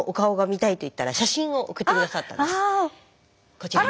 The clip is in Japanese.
こちら。